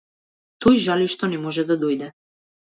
Тој жали што не може да дојде.